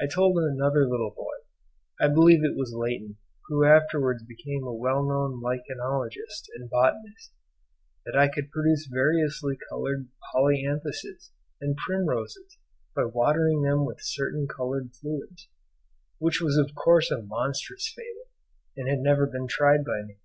I told another little boy (I believe it was Leighton, who afterwards became a well known lichenologist and botanist), that I could produce variously coloured polyanthuses and primroses by watering them with certain coloured fluids, which was of course a monstrous fable, and had never been tried by me.